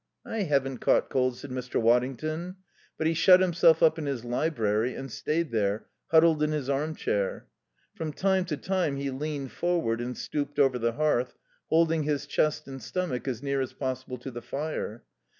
"I haven't caught cold," said Mr. Waddington. But he shut himself up in his library and stayed there, huddled in his armchair. From time to time he leaned forward and stooped over the hearth, holding his chest and stomach as near as possible to the fire.